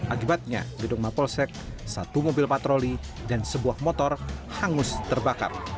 akibatnya gedung mapolsek satu mobil patroli dan sebuah motor hangus terbakar